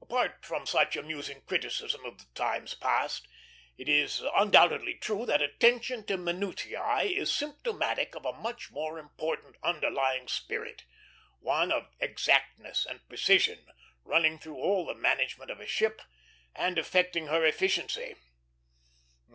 Apart from such amusing criticism of the times past, it is undoubtedly true that attention to minutiæ is symptomatic of a much more important underlying spirit, one of exactness and precision running through all the management of a ship and affecting her efficiency.